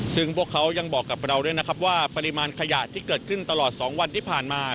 ซึ่งพวกเขายังบอกกับเราด้วยนะครับว่าปริมาณขยะที่เกิดขึ้นตลอด๒วันที่ผ่านมา